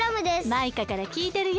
マイカからきいてるよ。